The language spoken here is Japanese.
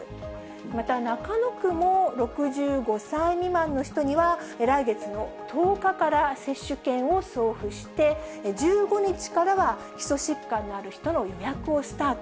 また中野区も、６５歳未満の人には来月の１０日から接種券を送付して、１５日からは基礎疾患のある人の予約をスタート。